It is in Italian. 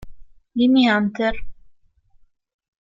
Jimmie Hunter